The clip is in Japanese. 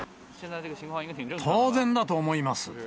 当然だと思います。